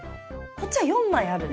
こっちは４枚ある？